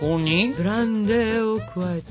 ブランデーを加えて。